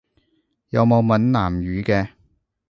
有冇閩南語嘅？